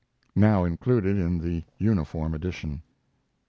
[Now included in the Uniform Edition.